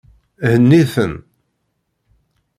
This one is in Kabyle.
Henni-ten.